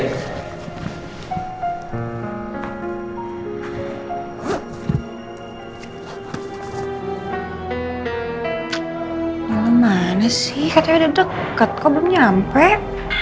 kalo mana sih katanya udah deket kok belum nyampe